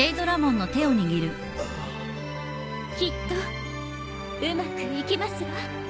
きっとうまくいきますわ。